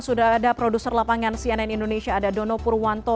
sudah ada produser lapangan cnn indonesia ada dono purwanto